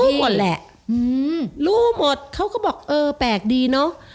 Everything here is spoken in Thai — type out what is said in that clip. หมดแหละอืมรู้หมดเขาก็บอกเออแปลกดีเนอะ